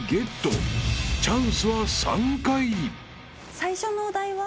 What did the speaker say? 最初のお題は？